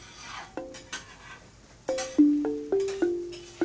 はい。